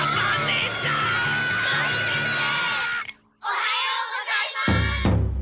おはようございます！